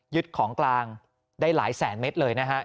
ยึดของกลางได้หลายแสนเมตรเลยนะฮะ